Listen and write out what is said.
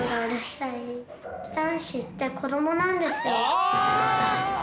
ああ！